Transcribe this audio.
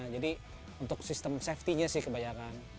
jadi untuk sistem safety nya sih kebanyakan